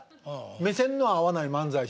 目線の合わない漫才師。